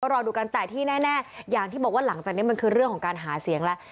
รอดูกันแต่ที่แน่อย่างที่บอกว่าหลังจากนี้มันคือเรื่องของการหาเสียงแล้ว